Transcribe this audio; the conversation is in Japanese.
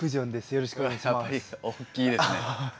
よろしくお願いします。